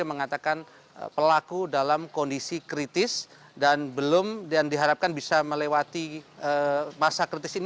mengatakan pelaku dalam kondisi kritis dan belum dan diharapkan bisa melewati masa kritis ini